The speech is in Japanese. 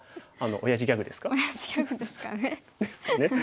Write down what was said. おやじギャグですかね。